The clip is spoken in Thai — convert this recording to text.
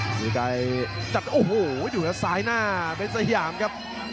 ฤทธิไกรจับโอ้โหอยู่ในสายหน้าเบ้นสยามครับ